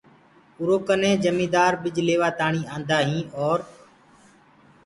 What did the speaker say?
اُرو ڪني جميدآر ٻج ليوآ تآڻي آندآ هين اور